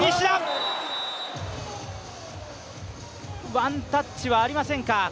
ワンタッチはありませんか。